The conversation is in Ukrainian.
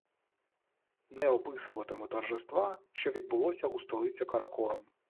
Не описуватиму торжества, що відбулося у столиці Каракорум